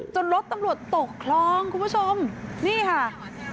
รถตำรวจตกคลองคุณผู้ชมนี่ค่ะ